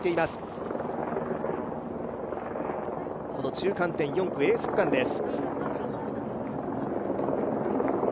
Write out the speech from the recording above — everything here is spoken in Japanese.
中間点４区、エース区間です。